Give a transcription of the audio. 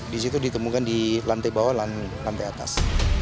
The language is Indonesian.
di situ ditemukan di lantai bawah dan lantai atas